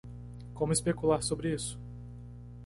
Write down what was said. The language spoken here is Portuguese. Como especular sobre isso?